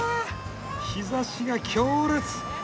日ざしが強烈！